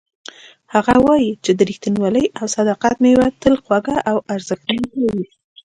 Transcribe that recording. هغه وایي چې د ریښتینولۍ او صداقت میوه تل خوږه او ارزښتناکه وي